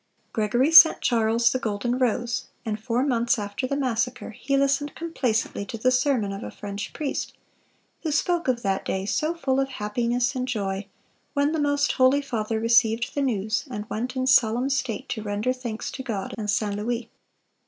Gregory sent Charles the Golden Rose; and four months after the massacre, ... he listened complacently to the sermon of a French priest, ... who spoke of 'that day so full of happiness and joy, when the most holy father received the news, and went in solemn state to render thanks to God and St. Louis.